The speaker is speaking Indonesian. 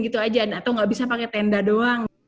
gitu aja atau nggak bisa pakai tenda doang